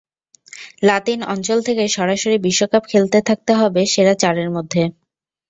লাতিন অঞ্চল থেকে সরাসরি বিশ্বকাপ খেলতে থাকতে হবে সেরা চারের মধ্যে।